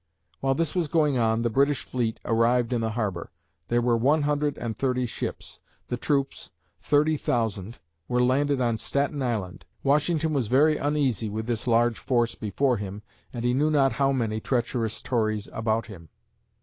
While this was going on, the British fleet arrived in the harbor. There were one hundred and thirty ships. The troops 30,000 were landed on Staten Island. Washington was very uneasy with this large force before him and he knew not how many treacherous Tories about him.